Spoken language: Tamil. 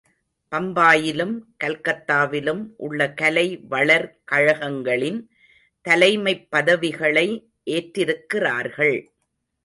பம்பாயிலும், கல்கத்தாவிலும் உள்ள கலை வளர் கழகங்களின் தலைமைப் பதவிகளை ஏற்றிருக்கிறார்கள்.